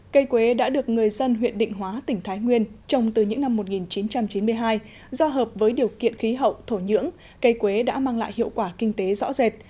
cây quế đã được người dân huyện định hóa tỉnh thái nguyên trồng từ những năm một nghìn chín trăm chín mươi hai do hợp với điều kiện khí hậu thổ nhưỡng cây quế đã mang lại hiệu quả kinh tế rõ rệt